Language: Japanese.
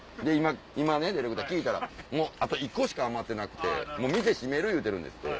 今ねディレクター聞いたらもうあと１個しか余ってなくて店閉める言うてるんですって。